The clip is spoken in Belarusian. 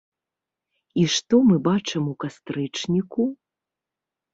І што мы бачым у кастрычніку?